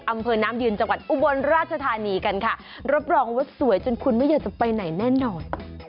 อำเภอน้ำยืนจังหวัดอุบลราชธานีกันค่ะรับรองว่าสวยจนคุณไม่อยากจะไปไหนแน่นอน